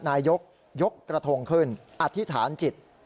นายกยกกระทงขึ้นอธิษฐานจิต